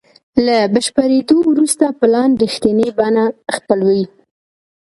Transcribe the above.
له بشپړېدو وروسته پلان رښتینې بڼه خپلوي.